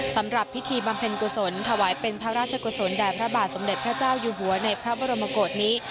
สำหรับพิธีบำเพ็ญกุศลถวายเป็นพระราชกุศลแด่พระบาทสมเด็จพระเจ้าอยู่หัวในพระบรมกฏนี้